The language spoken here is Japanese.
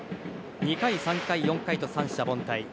２回、３回、４回と三者凡退。